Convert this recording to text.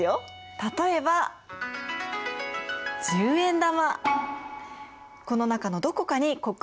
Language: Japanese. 例えば十円玉。